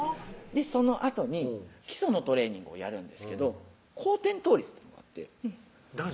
そのあとに基礎のトレーニングをやるんですけど後転倒立ってのがあって何？